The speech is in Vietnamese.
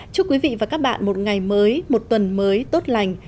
chúc quý vị và các bạn một ngày mới một tuần mới tốt lành